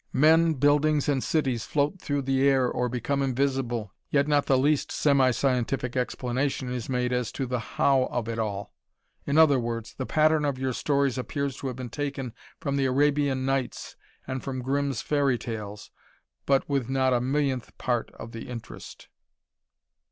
Men, buildings and cities float through the air or become invisible, yet not the least semi scientific explanation is made as to the how of it all. In other words, the pattern of your stories appears to have been taken from the Arabian Nights and from Grimm's Fairy Tales but with not a millionth part of the interest.